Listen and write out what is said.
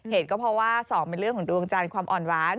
เหตุก็เพราะว่า๒เป็นเรื่องของดวงจันทร์ความอ่อนหวาน